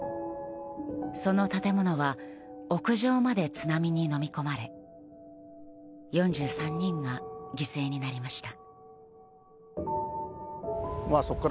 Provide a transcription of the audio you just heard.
その建物は屋上まで津波にのみ込まれ４３人が犠牲になりました。